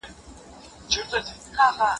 ثمر ګل د خپلې مېرمنې له خدمت څخه ډېر خوښ و.